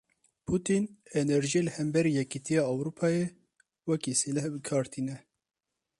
Putîn, enerjiyê li hemberî Yekîtiya Ewropayê wekî sîleh bi kar tîne.